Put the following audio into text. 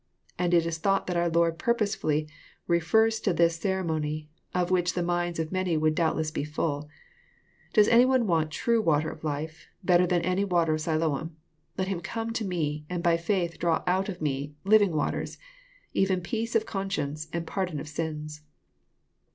And it is thought that our Lord purposely refers to this ceremony, of which the minds of many would doubtless be IXiU :—" Does any one want true water of life, better than any water of Siloam ?— Let him come to Me and by faith draw out of Me living waters, — even peace of conscience, and pardon of sins."